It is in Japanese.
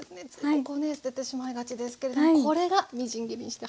ここね捨ててしまいがちですけれどこれがみじん切りにして入っているわけですね。